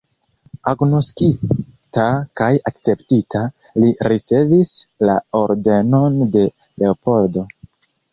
Agnoskita kaj akceptita, li ricevis la Ordenon de Leopoldo.